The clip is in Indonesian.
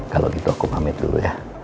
kalau gitu aku pamit dulu ya